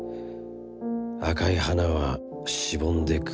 赤い花はしぼんでくずれた。